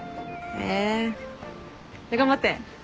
へぇ頑張って。